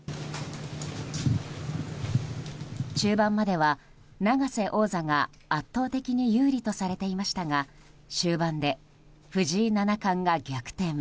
中盤までは永瀬王座が圧倒的に有利とされていましたが終盤で藤井七冠が逆転。